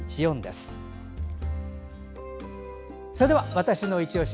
わたしのいちオシ」